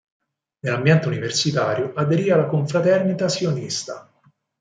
Nell'ambiente universitario aderì alla confraternita sionista.